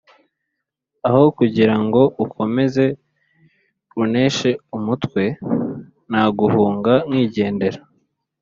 aho kugirango ukomeze unteshe umutwe naguhunga nkigendera